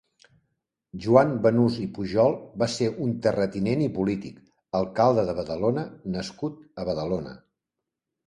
Joan Banús i Pujol va ser un terratinent i polític, alcalde de Badalona nascut a Badalona.